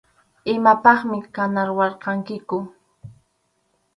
Imapaqmi kanawarqankiku.